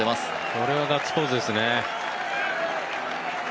これはガッツポーズですね。